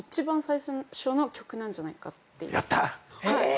やった！